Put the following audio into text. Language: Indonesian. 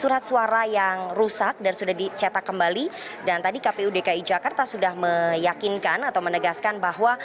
surat suara yang rusak dan sudah dicetak kembali dan tadi kpu dki jakarta sudah meyakinkan atau menegaskan bahwa